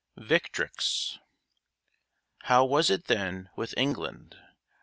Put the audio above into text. VICTRIX How was it then with England?